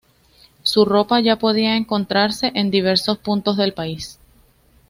Su ropa ya podía encontrarse en diversos puntos del país.